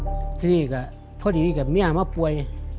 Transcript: พ่อดุ้นเจียครับพ่อดุ้นเจียครับมีอาหมาป่วย